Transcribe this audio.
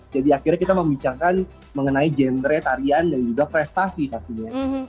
jadi akhirnya kita membicarakan mengenai genre tarian dan juga prestasi pastinya